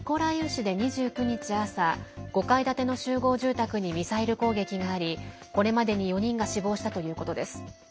市で２９日朝５階建ての集合住宅にミサイル攻撃がありこれまでに４人が死亡したということです。